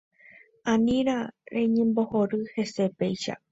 Anína reñembohory hese péicha.